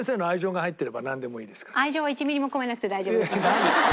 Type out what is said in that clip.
愛情は１ミリも込めなくて大丈夫です。